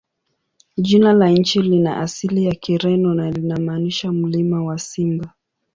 Jina la nchi lina asili ya Kireno na linamaanisha "Mlima wa Simba".